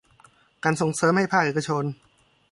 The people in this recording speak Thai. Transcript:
การส่งเสริมให้ภาคเอกชน